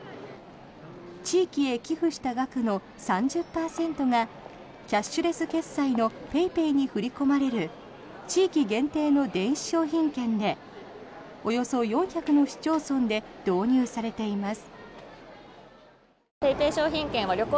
地域へ寄付した額の３０％がキャッシュレス決済のＰａｙＰａｙに振り込まれる地域限定の電子商品券でおよそ４００の市町村で導入されています。